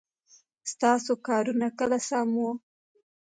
ستاسو کارونه کله سم وه ؟